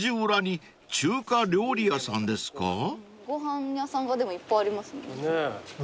ご飯屋さんがでもいっぱいありますね。